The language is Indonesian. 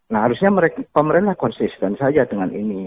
nah harusnya pemerintah konsisten saja dengan ini